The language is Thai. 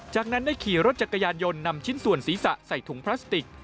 จากนั้นได้ขี่รถจักรยานยนต์นำชิ้นส่วนศีรษะใส่ถุงพลาสติก